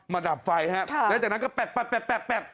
ดับไฟครับแล้วจากนั้นก็แป๊บ